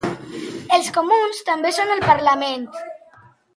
Els comuns també són al parlament.